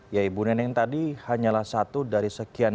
ya ibu neneng tadi hanyalah satu dari sekian